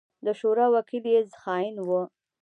د شورا وکيل يې خائن وو.